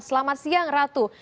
selamat siang ratu